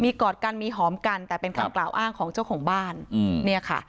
กอดกันมีหอมกันแต่เป็นคำกล่าวอ้างของเจ้าของบ้านอืมเนี่ยค่ะ